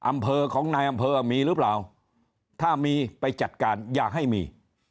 อำเภอของนายอำเภอมีหรือเปล่าถ้ามีไปจัดการอย่าให้มี